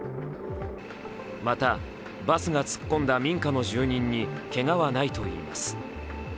また、バスが突っ込んだ民家の住人にけがはないといいます。